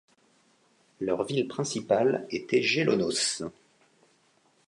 Leur ville principale était Gélonos.